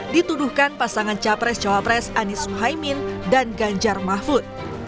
dituduhkan pasangan capres cawapres anies muhaymin dan ganjar mahfud